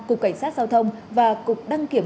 cục cảnh sát giao thông và cục đăng kiểm